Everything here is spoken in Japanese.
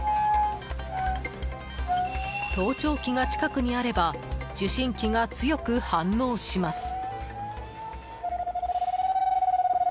盗聴器が近くにあれば受信機が強く反応します。